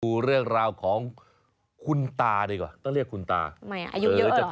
ดูเรื่องราวของคุณตาดีกว่าต้องเรียกคุณตา